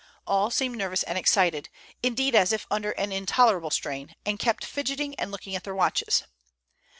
All seemed nervous and excited, indeed as if under an intolerable strain, and kept fidgeting and looking at their watches.